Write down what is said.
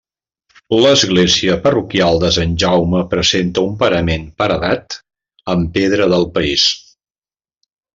L'església parroquial de Sant Jaume presenta un parament paredat amb pedra del país.